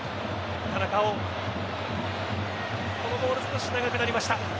このボール少し長くなりました。